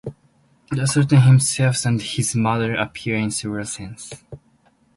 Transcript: The Sultan himself and his mother appear in several scenes.